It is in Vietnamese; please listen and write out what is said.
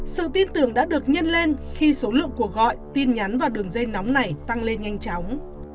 sự tin tưởng đã được nhân lên khi số lượng cuộc gọi tin nhắn vào đường dây nóng này tăng lên nhanh chóng